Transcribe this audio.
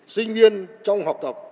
sinh viên trong học tập